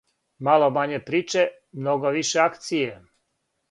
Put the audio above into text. Мало мање приче, много више акције.